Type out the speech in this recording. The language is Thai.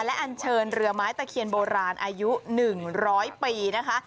และอันเชิญเรือไม้ตะเคียนโบราณอายุ๑๐๐ปีนะคะ